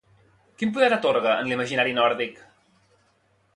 Quin poder atorga en l'imaginari nòrdic?